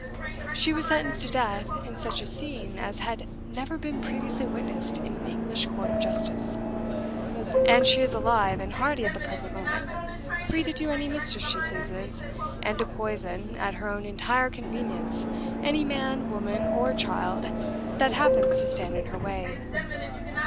She was sentenced to death in such a scene as had never been previously witnessed in an English court of justice. And she is alive and hearty at the present moment; free to do any mischief she pleases, and to poison, at her own entire convenience, any man, woman, or child that happens to stand in her way.